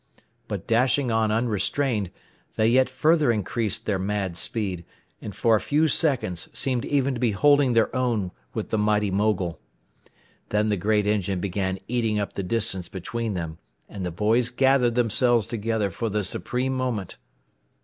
But dashing on unrestrained, they yet further increased their mad speed, and for a few seconds seemed even to be holding their own with the mighty mogul. Then the great engine began eating up the distance between them, and the boys gathered themselves together for the supreme moment.